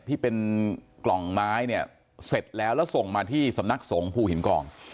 ที่เป็นกล่องไม้เนี่ยเสร็จแล้วแล้วส่งมาที่สำนักสงภูหินกอง